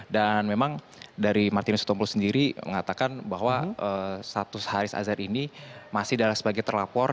dan memang dari martinus hitompul sendiri mengatakan bahwa status haris azhar ini masih dalam sebagian